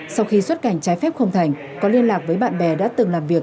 sau khi xuất cảnh trái phép không thành có liên lạc với bạn bè đã từng làm việc